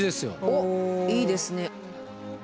おっいいですね。